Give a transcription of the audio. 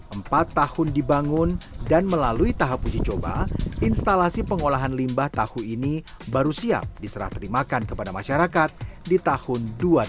empat tahun dibangun dan melalui tahap uji coba instalasi pengolahan limbah tahu ini baru siap diserah terimakan kepada masyarakat di tahun dua ribu dua puluh